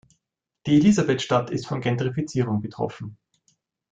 Die Elisabethstadt ist von Gentrifizierung betroffen.